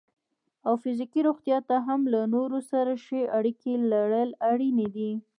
او فزیکي روغتیا ته هم له نورو سره ښې اړیکې لرل اړینې دي.